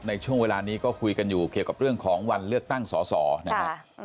ในช่วงเวลานี้ก็คุยกันอยู่เกี่ยวกับเรื่องของวันเลือกตั้งสอสอนะครับ